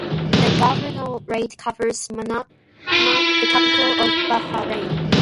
The governorate covers Manama, the capital of Bahrain.